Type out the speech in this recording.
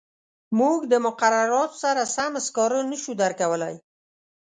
موږ د مقرراتو سره سم سکاره نه شو درکولای.